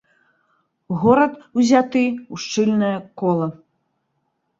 Горад узяты ў шчыльнае кола.